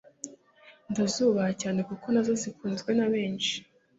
ndazubaha cyane kuko nazo zikunzwe na benshi.